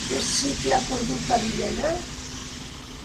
Què se t'hi ha perdut, a Villena?